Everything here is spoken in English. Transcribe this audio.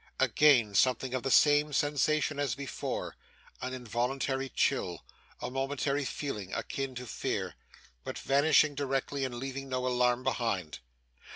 Again something of the same sensation as before an involuntary chill a momentary feeling akin to fear but vanishing directly, and leaving no alarm behind.